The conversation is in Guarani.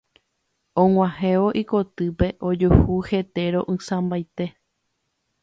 Og̃uahẽvo ikotýpe ojuhu hete ro'ysãmbaite.